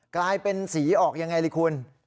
กลายเป็นสีออกยังไงเลยคุณ